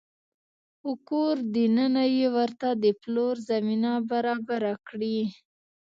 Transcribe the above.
په کور دننه يې ورته د پلور زمینه برابره کړې